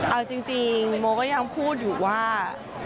เอาจริงโมก็ยังพูดอยู่ว่า